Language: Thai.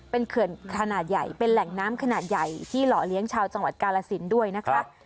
เป็นเขื่อนขนาดใหญ่เป็นแหล่งน้ำขนาดใหญ่ที่หล่อเลี้ยงชาวจังหวัดกาลสินด้วยนะคะ